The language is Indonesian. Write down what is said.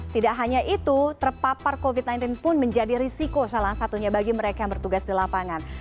tidak hanya itu terpapar covid sembilan belas pun menjadi risiko salah satunya bagi mereka yang bertugas di lapangan